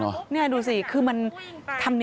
พอครูผู้ชายออกมาช่วยพอครูผู้ชายออกมาช่วย